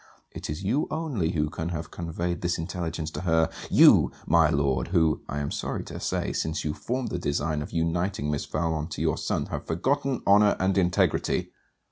It is you only who can have conveyed this intelligence to her: you, my Lord, who, I am sorry to say, since you formed the design of uniting Miss Valmont to your son have forgotten honour and integrity.